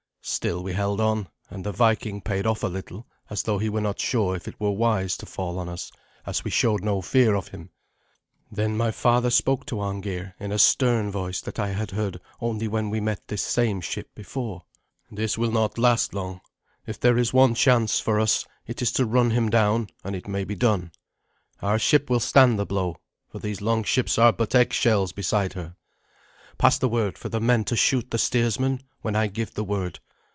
Still we held on, and the Viking paid off a little, as though he were not so sure if it were wise to fall on us, as we showed no fear of him. Then my father spoke to Arngeir in a stern voice that I had heard only when we met this same ship before. "This will not last long. If there is one chance for us, it is to run him down and it may be done. Our ship will stand the blow, for these longships are but eggshells beside her. Pass the word for the men to shoot the steersman when I give the word.